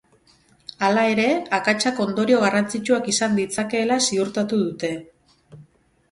Halaere, akatsak ondorio garrantzitsuak izan ditzakeela ziurtatu dute.